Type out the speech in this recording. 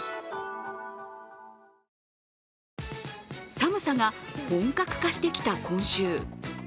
寒さが本格化してきた今週。